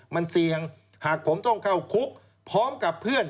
มันเสี่ยงหากผมต้องเข้าคุกพร้อมกับเพื่อน